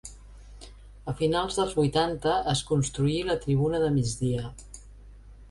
A finals dels vuitanta es construí la tribuna de migdia.